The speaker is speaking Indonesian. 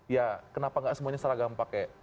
ya kenapa gak semuanya seragam pakai